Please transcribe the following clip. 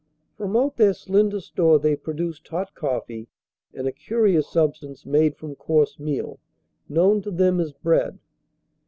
From out their slender store they produced hot coffee and a curious substance made from coarse meal, known to them as bread.